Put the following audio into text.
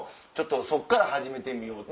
そっから始めてみようと。